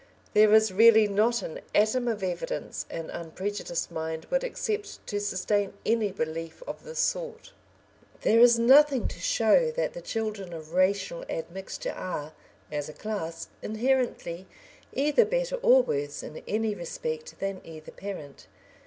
There is really not an atom of evidence an unprejudiced mind would accept to sustain any belief of the sort. There is nothing to show that the children of racial admixture are, as a class, inherently either better or worse in any respect than either parent.